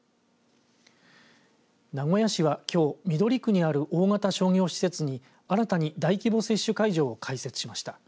名古屋市は、きょう緑区にある大型商業施設に新たに大規模接種会場を開設しました。